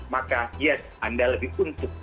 maka yes anda lebih untung